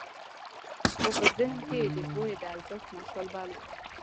خو په ذهن کې یې د پوهې د ارزښت مشال بل و.